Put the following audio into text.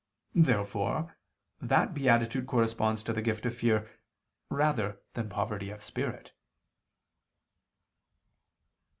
Therefore that beatitude corresponds to the gift of fear, rather than poverty of spirit.